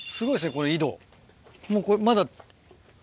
この井戸。